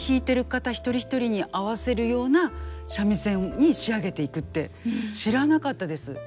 一人一人に合わせるような三味線に仕上げていくって知らなかったです。